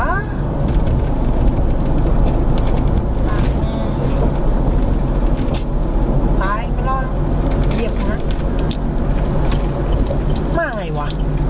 ตายตายมาแล้วนะเหยียบนะมายังไงวะ